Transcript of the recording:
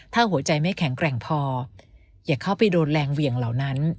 ถ้าหัวใจไม่แข็งแกร่งพออย่าเข้าไปโดนแรงเหวี่ยงเหล่านั้น